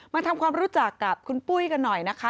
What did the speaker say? มาทำความรู้จักกับคุณปุ้ยกันหน่อยนะคะ